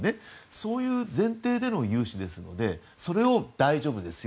そういう前提での融資ですのでそれを大丈夫ですよ